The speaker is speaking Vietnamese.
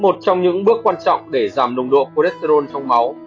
một trong những bước quan trọng để giảm nồng độ củalesterol trong máu